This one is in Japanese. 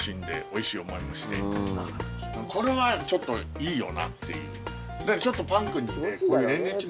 これはちょっといいよなっていう。